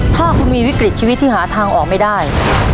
ถ้าคุณมีวิกฤตชีวิตที่หาทางออกไม่ได้